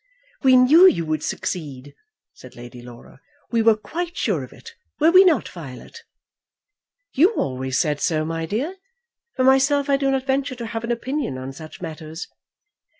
"We knew you would succeed," said Lady Laura. "We were quite sure of it. Were we not, Violet?" "You always said so, my dear. For myself I do not venture to have an opinion on such matters.